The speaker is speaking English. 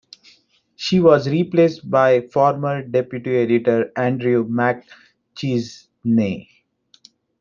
She was replaced by former deputy editor Andrew McChesney.